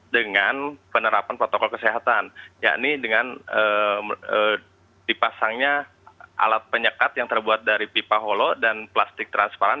dengan penerapan protokol kesehatan yakni dengan dipasangnya alat penyekat yang terbuat dari pipa holo dan plastik transparan